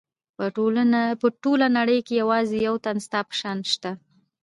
په ټوله نړۍ کې یوازې یو تن ستا په شان شته.